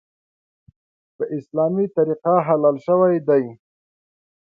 په اسلامي طریقه حلال شوی دی .